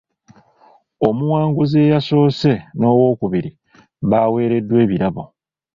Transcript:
Omuwanguzi eyasoose n'owookubiri baaweereddwa ebirabo.